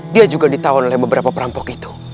dia juga ditawan oleh beberapa perampok itu